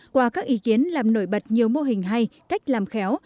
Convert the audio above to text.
qua các ý kiến làm nổi bật nhiều mô hình hay cách làm khéo